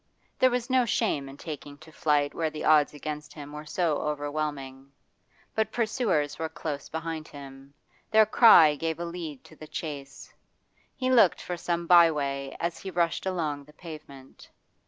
There was no shame in taking to flight where the odds against him were so overwhelming. But pursuers were close behind him; their cry gave a lead to the chase. He looked for some by way as he rushed along the pavement.